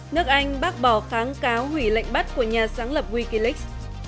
nước anh bác bỏ kháng cáo hủy lệnh bắt của nhà sáng lập wikileaks